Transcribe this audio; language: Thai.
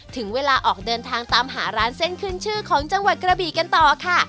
ถึงเวลาออกเดินทางตามหาร้านเส้นขึ้นชื่อของจังหวัดกระบีกันต่อค่ะ